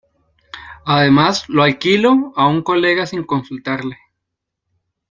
Además, lo "alquiló" a un colega sin consultarle.